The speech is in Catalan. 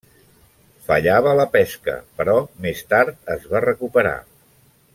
Fallava la pesca, però més tard es va recuperar.